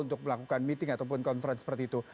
untuk melakukan meeting ataupun conference seperti itu